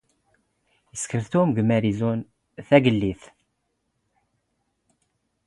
ⵉⵙⴽⵔ ⵜⵓⵎ ⵖ ⵎⴰⵔⵉ ⵣⵓⵏ ⴷ ⵜⴰⴳⵍⵍⵉⴷⵜ.